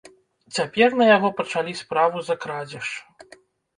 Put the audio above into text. Цяпер на яго пачалі справу за крадзеж.